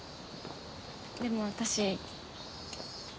でも私。